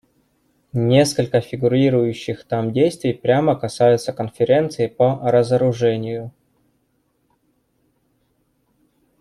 Несколько фигурирующих там действий прямо касаются Конференции по разоружению.